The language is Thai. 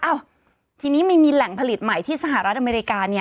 อ้าวทีนี้มีแหล่งผลิตใหม่ที่สหรัฐอเมริกา